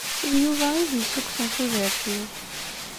D Yuba i iyi-d-yessukksen tudert-iw.